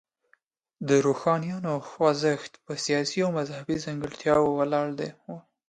د روښانیانو خوځښت په سیاسي او مذهبي ځانګړتیاوو ولاړ و.